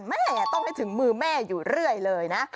แม่ต้องให้ถึงมือแม่อยู่เรื่อยเลยนะ